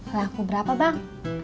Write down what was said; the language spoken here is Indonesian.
laku berapa bang